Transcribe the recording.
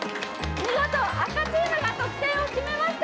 見事、赤チームが得点を決めました。